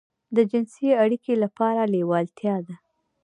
د جنسي اړيکې لپاره لېوالتيا ده.